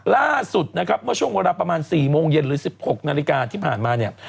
ล่าสุดนะครับเมื่อช่วงเวลาประมาณ๔โมงเย็นหรือ๑๖นาฬิกาที่ผ่านมาเนี่ย